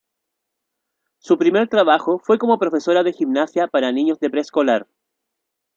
Su primer trabajo fue como profesora de gimnasia para niños de preescolar.